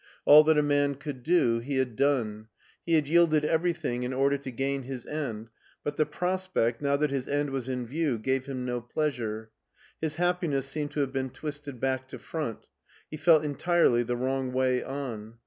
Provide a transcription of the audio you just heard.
All that a man could do he had done ; he had yielded everything in order to gain his end ; but the prospect, now that his end was in view, gave him no pleasure. His happiness seemed to have been twisted back to front ; he felt entirely the wrong way on.